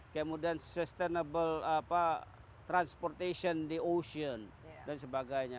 kemudian sustainable transportation di ocean dan sebagainya